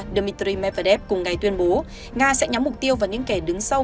dmitry medvedev cùng ngày tuyên bố nga sẽ nhắm mục tiêu vào những kẻ đứng sau